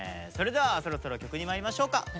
それではそろそろ曲にまいりましょうか。